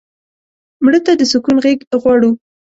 مړه ته د سکون غېږ غواړو